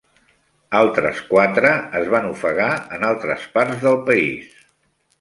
Altres quatre es van ofegar en altres parts del país.